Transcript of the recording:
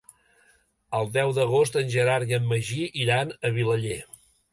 El deu d'agost en Gerard i en Magí iran a Vilaller.